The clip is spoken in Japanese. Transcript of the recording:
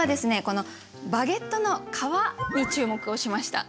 このバゲットの皮に注目をしました。